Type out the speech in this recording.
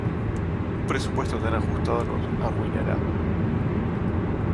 Un presupuesto tan ajustado nos arruinará.